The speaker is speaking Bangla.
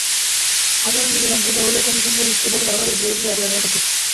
আচরণবিধি লঙ্ঘিত হলে কমিশন পুলিশকে বলতে পারে অপরাধীর বিরুদ্ধে এফআইআর দায়ের করতে।